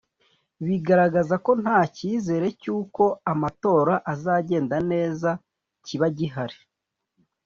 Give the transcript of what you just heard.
Bigaragaza ko nta cyizere cy’uko amatora azagenda neza kiba gihari